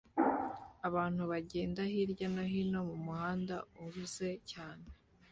Abantu bagenda hirya no hino mumuhanda uhuze cyane